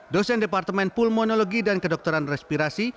dosen departemen pulmonologi dan kedokteran respirasi